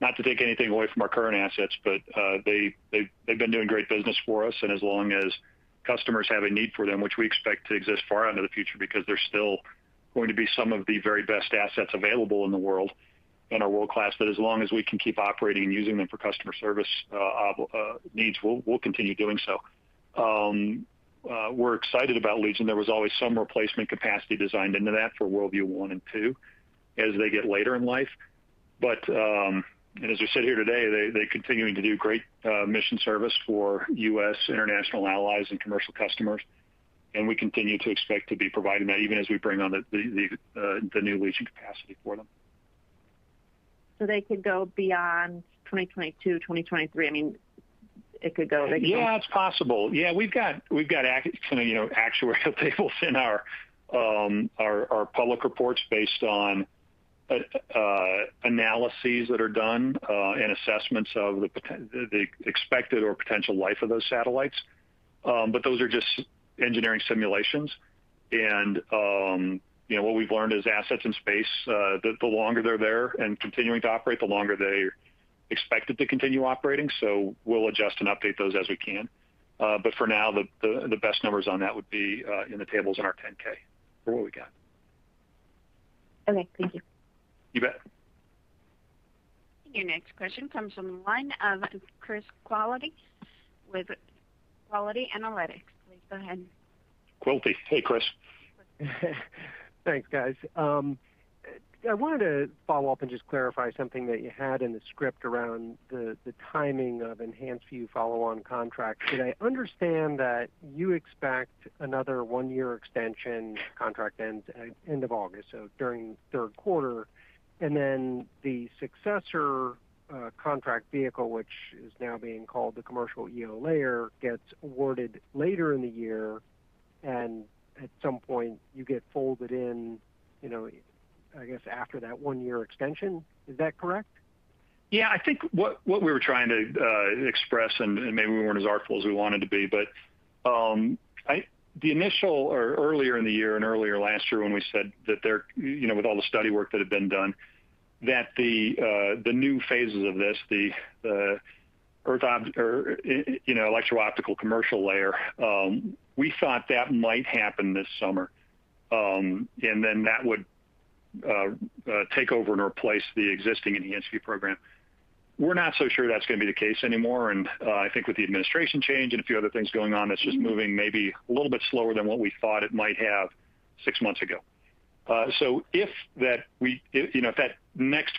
Not to take anything away from our current assets, but they've been doing great business for us, and as long as customers have a need for them, which we expect to exist far into the future because they're still going to be some of the very best assets available in the world and are world-class. As we sit here today, they're continuing to do great mission service for U.S., international allies, and commercial customers and we continue to expect to be providing that even as we bring on the new Legion capacity for them. They could go beyond 2022, 2023. Yeah, it's possible. Yeah, we've got actuarial tables in our public reports based on analyses that are done, and assessments of the expected or potential life of those satellites. Those are just engineering simulations. What we've learned is assets in space, the longer they're there and continuing to operate, the longer they're expected to continue operating. We'll adjust and update those as we can. For now, the best numbers on that would be in the tables in our 10-K for what we got. Okay. Thank you. You bet. Your next question comes from the line of Chris Quilty with Quilty Analytics. Please go ahead. Quilty. Hey, Chris. Thanks, guys. I wanted to follow up and just clarify something that you had in the script around the timing of EnhancedView follow-on contract. Did I understand that you expect another one-year extension contract end of August, so during third quarter? The successor contract vehicle, which is now being called the commercial EO layer, gets awarded later in the year at some point, you get folded in, I guess, after that one-year extension. Is that correct? Yeah, I think what we were trying to express, and maybe we weren't as artful as we wanted to be, but earlier in the year and earlier last year when we said that with all the study work that had been done, that the new phases of this, the Electro-Optical Commercial Layer, we thought that might happen this summer, and then that would take over and replace the existing EnhancedView program. We're not so sure that's going to be the case anymore, and I think with the administration change and a few other things going on, it's just moving maybe a little bit slower than what we thought it might have six months ago. if that next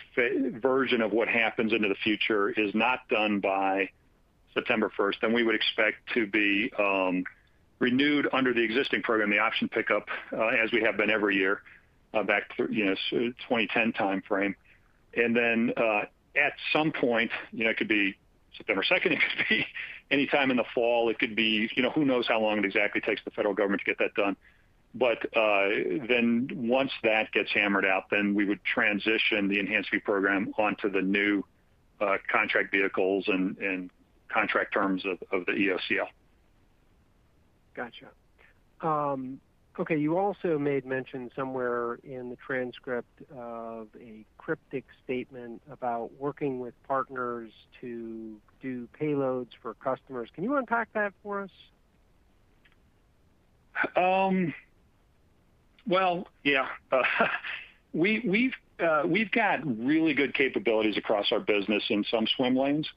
version of what happens into the future is not done by September 1st, then we would expect to be renewed under the existing program, the option pickup, as we have been every year, back to 2010 timeframe. at some point, it could be September 2nd, it could be any time in the fall. Who knows how long it exactly takes the federal government to get that done. once that gets hammered out, then we would transition the EnhancedView program onto the new contract vehicles and contract terms of the EOCL. Got you. Okay, you also made mention somewhere in the transcript of a cryptic statement about working with partners to do payloads for customers. Can you unpack that for us? Well, yeah. We've got really good capabilities across our business in some swim lanes.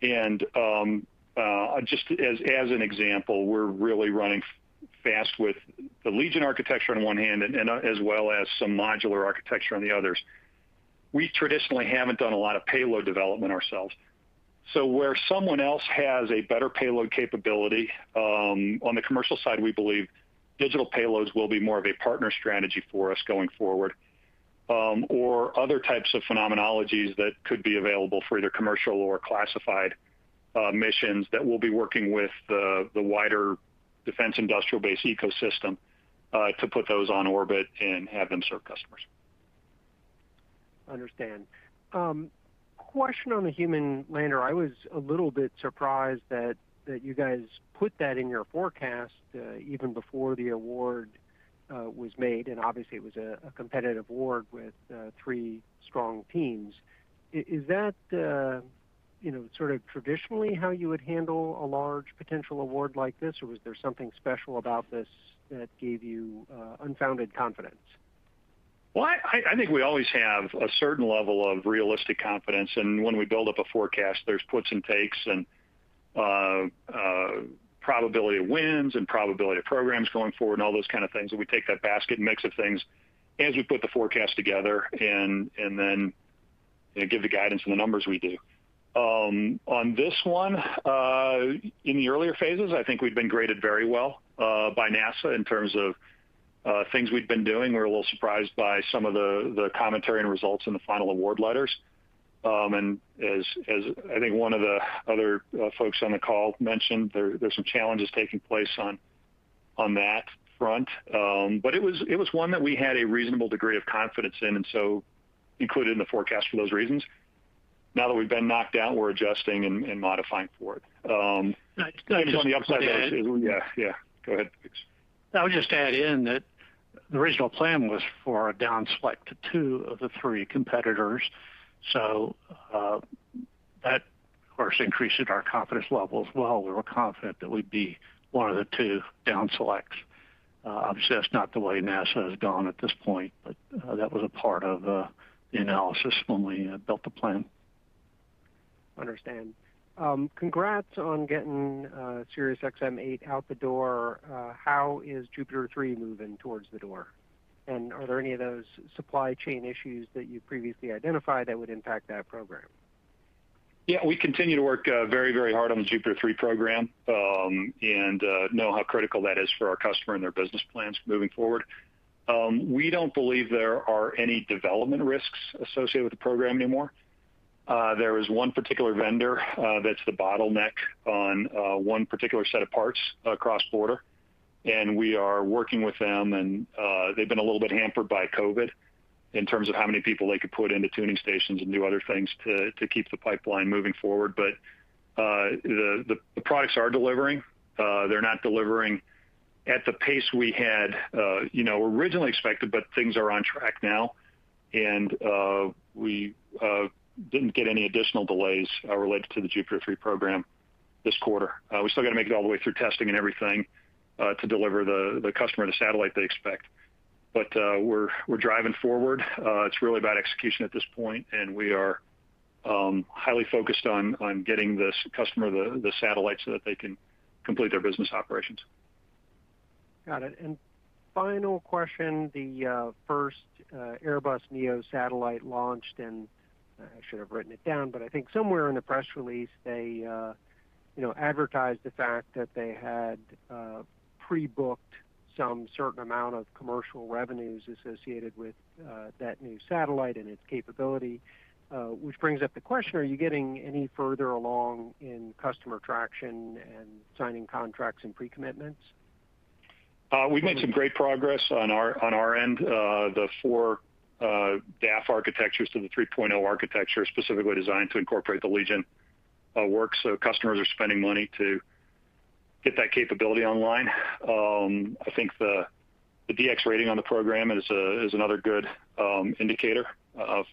Just as an example, we're really running fast with the Legion architecture on one hand, and as well as some modular architecture on the others. We traditionally haven't done a lot of payload development ourselves. Where someone else has a better payload capability, on the commercial side, we believe digital payloads will be more of a partner strategy for us going forward. Other types of phenomenologies that could be available for either commercial or classified missions that we'll be working with the wider defense industrial base ecosystem to put those on orbit and have them serve customers. Understand. Question on the human lander. I was a little bit surprised that you guys put that in your forecast even before the award was made, and obviously it was a competitive award with three strong teams. Is that sort of traditionally how you would handle a large potential award like this, or was there something special about this that gave you unfounded confidence? Well, I think we always have a certain level of realistic confidence, and when we build up a forecast, there's puts and takes, and probability of wins and probability of programs going forward and all those kind of things, and we take that basket mix of things as we put the forecast together and then give the guidance and the numbers we do. On this one, in the earlier phases, I think we'd been graded very well by NASA in terms of things we'd been doing. We were a little surprised by some of the commentary and results in the final award letters. as I think one of the other folks on the call mentioned, there's some challenges taking place on that front. it was one that we had a reasonable degree of confidence in, and so we included it in the forecast for those reasons. Now that we've been knocked out, we're adjusting and modifying for it. Yeah. Go ahead. I would just add in that the original plan was for a down-select to two of the three competitors. that, of course, increased our confidence level as well. We were confident that we'd be one of the two down-selects. Obviously, that's not the way NASA has gone at this point, but that was a part of the analysis when we built the plan. Understand. Congrats on getting SiriusXM 8 out the door. How is Jupiter 3 moving towards the door? Are there any of those supply chain issues that you previously identified that would impact that program? Yeah, we continue to work very hard on the Jupiter 3 program, and know how critical that is for our customer and their business plans moving forward. We don't believe there are any development risks associated with the program anymore. There is one particular vendor that's the bottleneck on one particular set of parts across border, and we are working with them and they've been a little bit hampered by COVID in terms of how many people they could put into tuning stations and do other things to keep the pipeline moving forward. The products are delivering. They're not delivering at the pace we had originally expected, but things are on track now. We didn't get any additional delays related to the Jupiter 3 program this quarter. We still got to make it all the way through testing and everything to deliver the customer the satellite they expect. We're driving forward. It's really about execution at this point, and we are highly focused on getting this customer the satellite so that they can complete their business operations. Got it. Final question, the first Airbus Neo satellite launched, and I should have written it down, but I think somewhere in the press release, they advertised the fact that they had pre-booked some certain amount of commercial revenues associated with that new satellite and its capability. Brings up the question, are you getting any further along in customer traction and signing contracts and pre-commitments? We've made some great progress on our end. The update of the DAF architecture 3.0 architecture is specifically designed to incorporate the Legion work, so customers are spending money to get that capability online. I think the DX rating on the program is another good indicator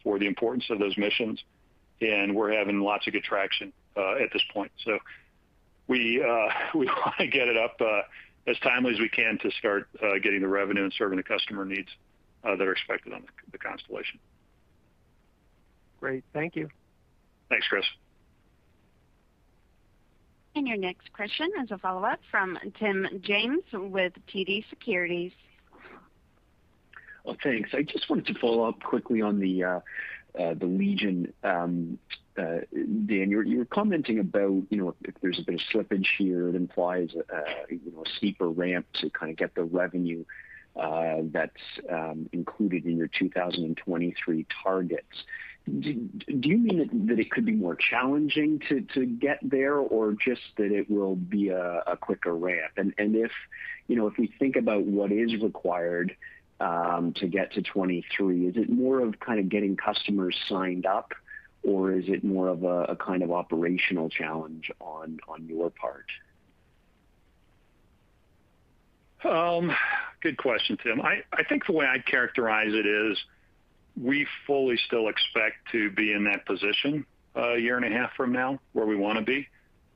for the importance of those missions, and we're having lots of good traction at this point. We want to get it up as timely as we can to start getting the revenue and serving the customer needs that are expected on the constellation. Great. Thank you. Thanks, Chris. Your next question is a follow-up from Tim James with TD Securities. Well, thanks. I just wanted to follow up quickly on the Legion. Dan, you were commenting about if there's a bit of slippage here, it implies a steeper ramp to kind of get the revenue that's included in your 2023 targets. Do you mean that it could be more challenging to get there, or just that it will be a quicker ramp? If we think about what is required to get to 2023, is it more of kind of getting customers signed up, or is it more of a kind of operational challenge on your part? Good question, Tim. I think the way I'd characterize it is we fully still expect to be in that position a year and a half from now, where we want to be.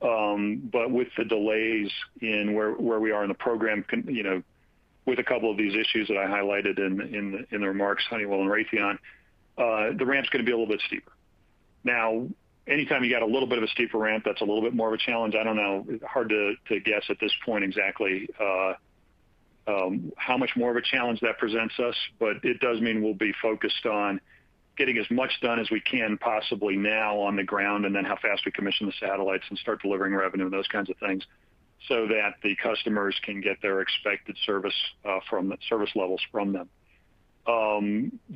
With the delays in where we are in the program, with a couple of these issues that I highlighted in the remarks, Honeywell and Raytheon, the ramp's going to be a little bit steeper. Now, anytime you got a little bit of a steeper ramp, that's a little bit more of a challenge. I don't know, hard to guess at this point exactly how much more of a challenge that presents us. it does mean we'll be focused on getting as much done as we can possibly now on the ground, and then how fast we commission the satellites and start delivering revenue and those kinds of things so that the customers can get their expected service levels from them.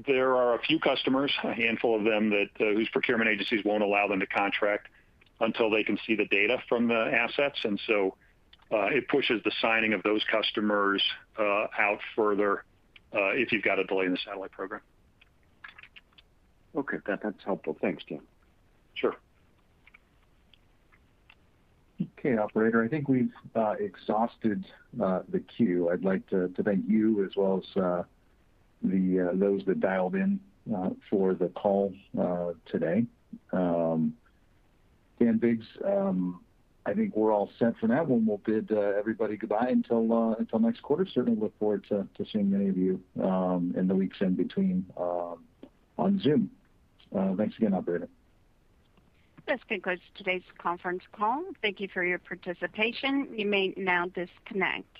There are a few customers, a handful of them, whose procurement agencies won't allow them to contract until they can see the data from the assets. it pushes the signing of those customers out further, if you've got a delay in the satellite program. Okay. That's helpful. Thanks, Dan. Sure. Okay, operator. I think we've exhausted the queue. I'd like to thank you as well as those that dialed in for the call today. Dan Biggs, I think we're all set for now, and we'll bid everybody goodbye until next quarter. Certainly look forward to seeing many of you in the weeks in between on Zoom. Thanks again, operator. This concludes today's conference call. Thank you for your participation. You may now disconnect.